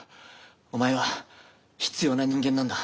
お前は必要な人間なんだ。